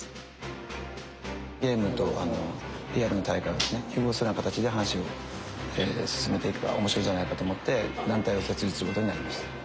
ゲームとリアルな大会をですね融合するような形で話を進めていけば面白いんじゃないかと思って団体を設立することになりました。